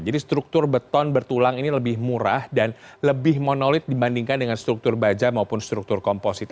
jadi struktur beton bertulang ini lebih murah dan lebih monolit dibandingkan dengan struktur baja maupun struktur komposit